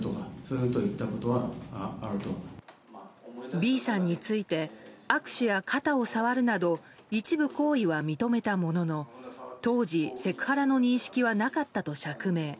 Ｂさんについて握手や肩を触るなど一部行為は認めたものの当時、セクハラの認識はなかったと釈明。